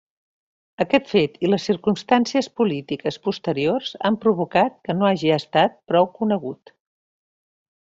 Aquest fet i les circumstàncies polítiques posteriors han provocat que no hagi estat prou conegut.